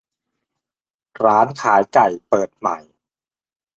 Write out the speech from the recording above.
ร้านขายไก่เปิดใหม่